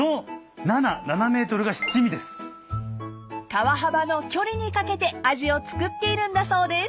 ［川幅の距離に掛けて味を作っているんだそうです］